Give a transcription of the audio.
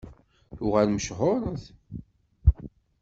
Tuɣal mecḥuṛet.